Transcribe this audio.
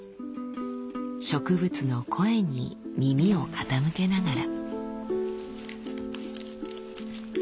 植物の声に耳を傾けながら。